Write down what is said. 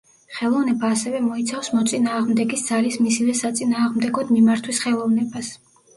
ხელოვნება ასევე მოიცავს მოწინააღმდეგის ძალის მისივე საწინააღმდეგოდ მიმართვის ხელოვნებას.